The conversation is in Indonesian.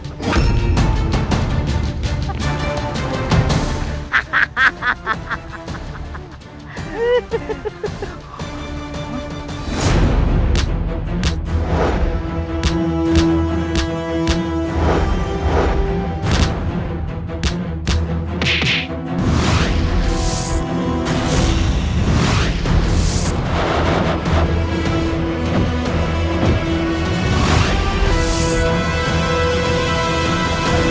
aku akan membantu